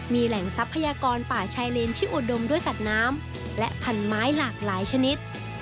มีแหล่งทรัพยากรป่าชายเลนที่อุดมด้วยสัตว์น้ำและพันไม้หลากหลายชนิด